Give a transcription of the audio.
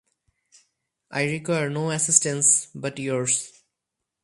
I require no assistance but yours.